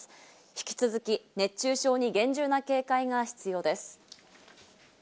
引き続き、熱中症に厳重な警戒が必要です。